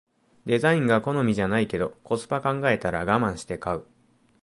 デザインが好みじゃないけどコスパ考えたらガマンして買う